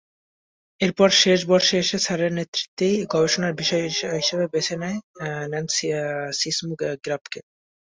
এরপর শেষ বর্ষে এসে স্যারের নেতৃত্বেই গবেষণার বিষয় হিসেবে বেছে নেন সিসমোগ্রাফকে।